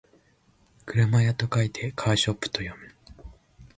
車屋と書いてカーショップと読む